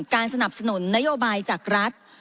การสนับสนุนนโยบายจากรัฐ